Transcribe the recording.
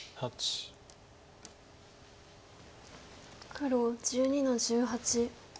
黒１２の十八。